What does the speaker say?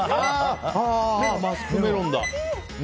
マスクメロンだ。